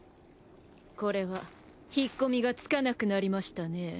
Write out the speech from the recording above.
これは引っ込みがつかなくなりましたね。